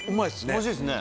おいしいですね。